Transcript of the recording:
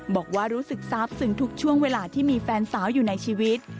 บอกว่ารู้สึกทราบซึ้งทุกช่วงเวลาที่มีแฟนสาวอยู่ในชีวิต